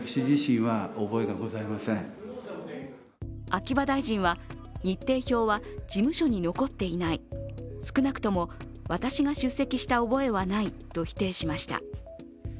秋葉大臣は日程表は事務所に残っていない、少なくとも私が出席した覚えはないと否定しました。